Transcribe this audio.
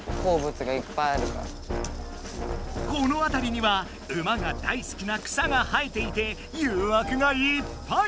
このあたりには馬が大すきな草が生えていてゆうわくがいっぱい！